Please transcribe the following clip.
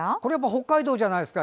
北海道じゃないですか。